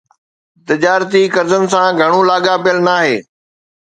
تجارتي قرضن سان گهڻو لاڳاپيل ناهي